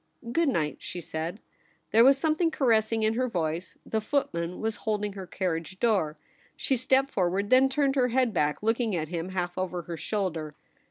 ' Good night,' she said. There was some thing caressing in her voice. The footman was holding her carriage door. She stepped forward, then turned her head back, looking at him half over her shoulder.